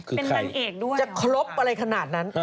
เป็นนางเอกด้วยจะครบอะไรขนาดนั้น